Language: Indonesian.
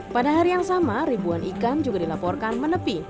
pada hari yang sama ribuan ikan juga dilaporkan menepi